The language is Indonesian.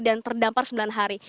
dan terdampar sembilan hari